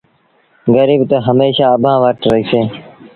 گريٚب تا هميشآ اڀآنٚ وٽ رهيٚسينٚ